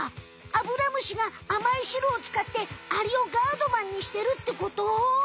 アブラムシが甘い汁をつかってアリをガードマンにしてるってこと？